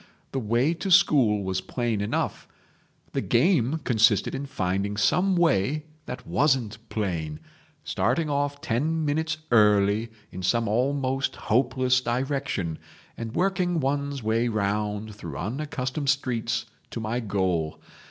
The way to school was plain enough; the game consisted in finding some way that wasn't plain, starting off ten minutes early in some almost hopeless direction, and working one's way round through unaccustomed streets to my goal.